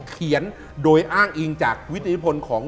เขียนโดยอ้างอิงจากวิทธิพลของ